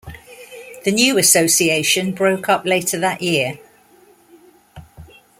The new Association broke up later that year.